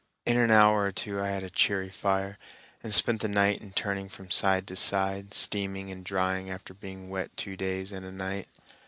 In an hour or two I had a cheery fire, and spent the night in turning from side to side, steaming and drying after being wet two days and a night.